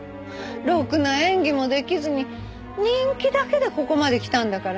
ろくな演技も出来ずに人気だけでここまで来たんだから。